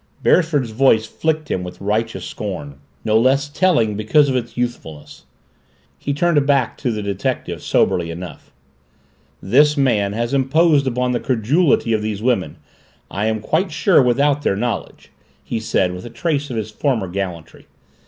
Beresford's voice flicked him with righteous scorn, no less telling because of its youthfulness. He turned back to the detective soberly enough. "This man has imposed upon the credulity of these women, I am quite sure without their knowledge," he said with a trace of his former gallantry.